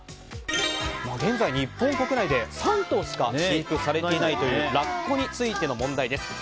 現在、日本国内で３頭しか飼育されていないというラッコについての問題です。